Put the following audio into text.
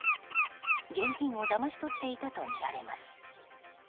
現金をだまし取っていたとみられます。